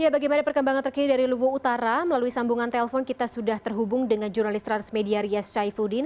bagaimana perkembangan terkini dari lubuk utara melalui sambungan telpon kita sudah terhubung dengan jurnalis transmedia rias syaifuddin